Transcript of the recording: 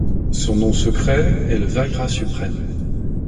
Son nom secret est le Vajra suprême.